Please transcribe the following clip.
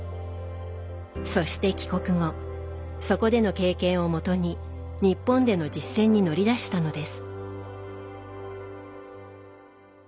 そして帰国後そこでの経験をもとに日本での実践に乗り出したのです。